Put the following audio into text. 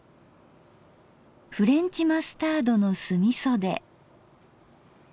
フレンチマスタードの酢みそで。